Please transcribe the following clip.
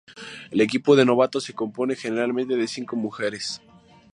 El Equipo de novatos se compone generalmente de cinco mujeres.